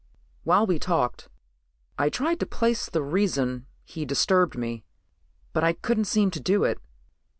While we talked I tried to place the reason he disturbed me, but I couldn't seem to do it.